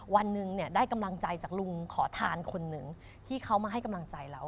วันหนึ่งเนี่ยได้กำลังใจจากลุงขอทานคนหนึ่งที่เขามาให้กำลังใจเรา